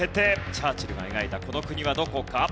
チャーチルが描いたこの国はどこか？